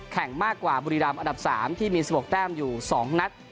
แข่งมากกว่าบุรีรำอันดับ๓ที่มี๑๖แต้มอยู่๒นัด